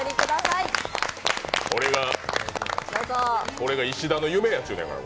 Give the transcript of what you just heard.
これが石田の夢やちゅうから。